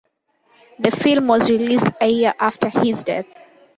The film was released a year after his death.